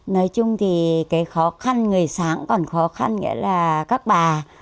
nói chung thì cái khó khăn người sáng còn khó khăn nghĩa là các bà